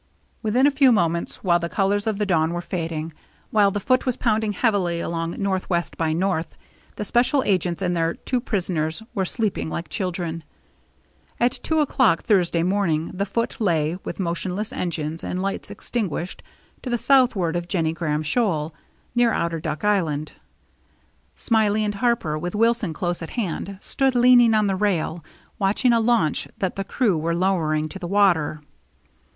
Within a few moments, while the colors of the dawn were fading, while the Foote was pounding heavily along northwest by north, the special agents and their two prisoners were sleeping like children. At two o'clock Thursday morning the Foote lay, with motionless engines and lights ex tinguished, to the southward of Jennie Graham Shoal, near Outer Duck Island. Smiley and Harper, with Wilson close at hand, stood leaning on the rail, watching a launch that the crew were lowering to the water.